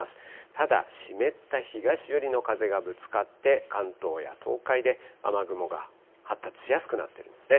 ただ、湿った東寄りの風がぶつかって、関東や東海で雨雲が発達しやすくなっているんですね。